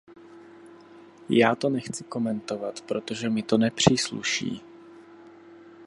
Já to nechci komentovat, protože mi to nepřísluší.